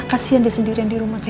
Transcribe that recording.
kasian dia sendirian di rumah sih